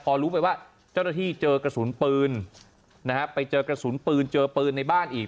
พอรู้ไปว่าเจ้าหน้าที่เจอกระสุนปืนนะฮะไปเจอกระสุนปืนเจอปืนในบ้านอีก